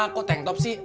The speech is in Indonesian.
kok tank top sih